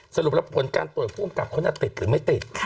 สรุปแล้วผลการตรวจภูมิกับคนน่าติดหรือไม่ติด